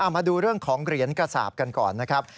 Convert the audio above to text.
มาดูเรื่องของเหรียญกระสาปกันก่อนนะครับ